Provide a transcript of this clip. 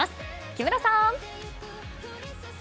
木村さん！